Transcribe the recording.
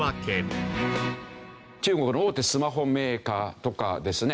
中国の大手スマホメーカーとかですね